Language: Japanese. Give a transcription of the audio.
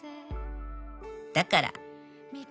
「だから」